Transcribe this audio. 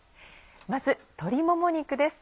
まず鶏もも肉です。